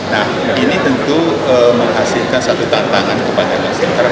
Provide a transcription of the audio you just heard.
nah ini tentu menghasilkan satu tantangan kepada masyarakat